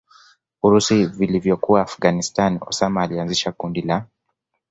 urusi vilivyokuwa Afghanstani Osama alianzisha kundi la